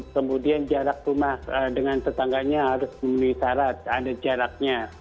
kemudian jarak rumah dengan tetangganya harus memenuhi syarat ada jaraknya